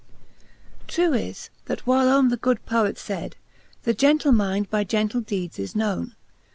TRUE Is, that whilome that good Poet fayd, The gentle minde by gentle deeds is knowne.